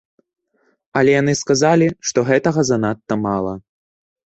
Але яны сказалі, што гэтага занадта мала.